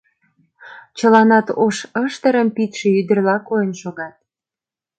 Чыланат ош ыштырым пидше ӱдырла койын шогат.